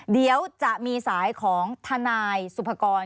เดี๋ยวจะมีสายของทนายสุภกร